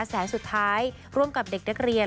แสงสุดท้ายร่วมกับเด็กนักเรียน